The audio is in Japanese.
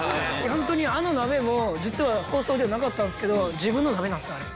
ホントにあの鍋も実は放送ではなかったんですけど自分の鍋なんですよあれ。